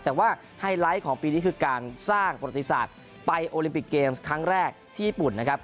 แต่ว่าไฮไลท์ของปีนี้คือการสร้างประติศาสตร์ไปโอลิมปิกเกมส์ครั้งแรกที่ญี่ปุ่นนะครับ